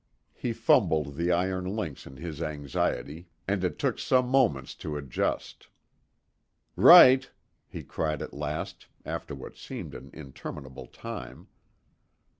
He fumbled the iron links in his anxiety, and it took some moments to adjust. "Right," he cried at last, after what seemed an interminable time.